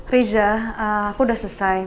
riza aku udah selesai